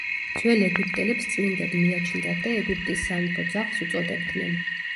ძველ ეგვიპტელებს წმინდად მიაჩნდათ და „ეგვიპტის სამეფო ძაღლს“ უწოდებდნენ.